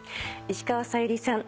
石川さゆりさん